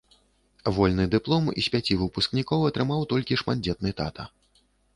Вольны дыплом з пяці выпускнікоў атрымаў толькі шматдзетны тата.